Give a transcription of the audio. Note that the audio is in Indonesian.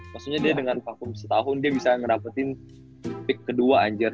maksudnya dia dengan vakum setahun dia bisa ngerapetin peak kedua anger